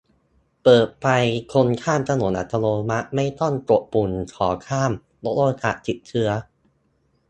- เปิดไฟคนข้ามอัตโนมัติ ไม่ต้องกดปุ่มขอข้าม ลดโอกาสติดเชื้อ